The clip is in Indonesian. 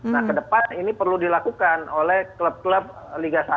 nah ke depan ini perlu dilakukan oleh klub klub liga satu